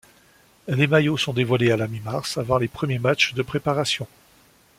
Les maillots sont dévoilés à la mi-mars, avant les premiers matchs de préparation.